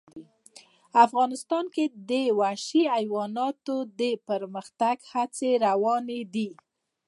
افغانستان کې د وحشي حیوانات د پرمختګ هڅې روانې دي.